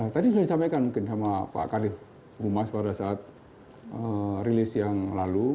tadi sudah saya sampaikan mungkin sama pak kadir humas pada saat rilis yang lalu